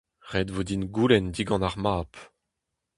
Ret vo din goulenn digant ar mab.